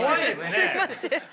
すみません！